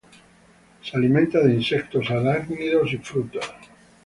Se alimenta de insectos, arácnidos y frutas.